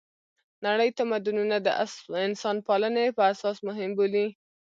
نړۍ تمدونونه د انسانپالنې په اساس مهم بولي.